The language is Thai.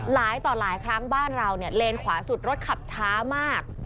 หลายต่อหลายครั้งบ้านเราเนี่ยเลนขวาสุดรถขับช้ามาก